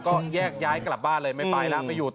ก็แยกย้ายกลับบ้านเลยไม่ไปแล้ว